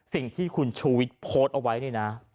สิ่งที่คุณชูวิทย์โพสต์เอาไว้นี่นะ